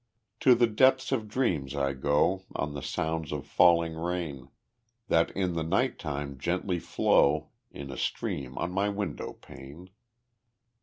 To the depths of dreams I go On the sounds of falling rain, That in the night time gently flow In a stream on my window pane.